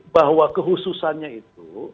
bahwa kehususannya itu